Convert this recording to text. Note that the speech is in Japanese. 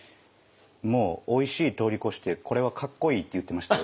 もうおいしい通り越してこれはかっこいいって言ってましたよ。